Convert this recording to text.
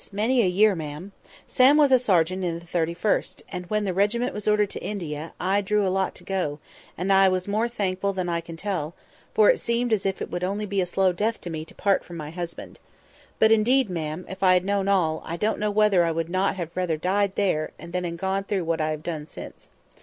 many a year, ma'am. Sam was a sergeant in the 31st; and when the regiment was ordered to India, I drew a lot to go, and I was more thankful than I can tell; for it seemed as if it would only be a slow death to me to part from my husband. But, indeed, ma'am, if I had known all, I don't know whether I would not rather have died there and then than gone through what I have done since.